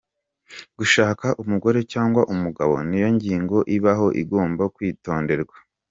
Gushaka umugore cyangwa umugabo niyo ngingo ibaho igomba kwitonderwa.